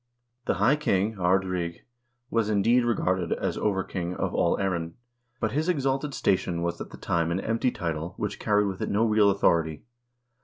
The high king (Ard Righ) was indeed regarded as over king of all Erin, but his exalted station was at the time an empty title which carried with it no real authority.